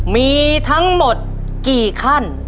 มีทั้งหมดกี่ขั้น